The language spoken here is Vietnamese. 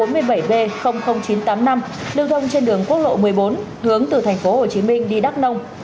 đường thông trên đường quốc lộ một mươi bốn hướng từ thành phố hồ chí minh đi đắk nông